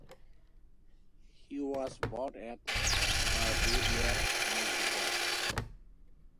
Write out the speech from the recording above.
He was born at Barby, near Magdeburg.